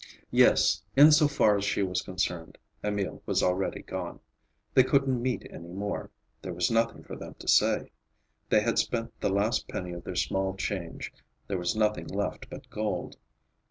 Yes, in so far as she was concerned, Emil was already gone. They couldn't meet any more. There was nothing for them to say. They had spent the last penny of their small change; there was nothing left but gold.